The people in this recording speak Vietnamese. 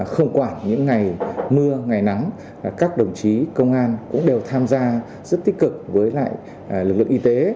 không quản những ngày mưa ngày nắng các đồng chí công an cũng đều tham gia rất tích cực với lực lượng y tế